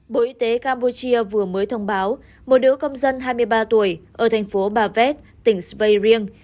bộ y tế campuchia vừa mới thông báo một nữ công dân hai mươi ba tuổi ở thành phố bavet tỉnh svayriang